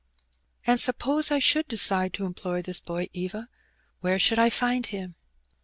"And suppose I should decide to employ this boy, Eva, where should I find him?"